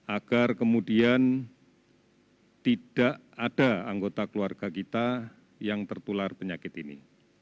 agar kemudian tidak ada anggota keluarga kita yang tertular penyakit ini